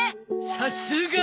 さすが。